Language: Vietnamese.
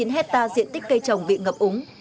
bốn mươi chín hectare diện tích cây trồng bị ngập úng